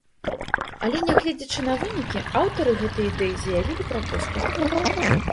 Але нягледзячы на вынікі, аўтары гэтай ідэі заявілі пра поспех.